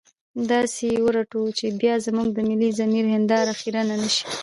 داسې يې ورټو چې بيا زموږ د ملي ضمير هنداره خيرنه نه شي.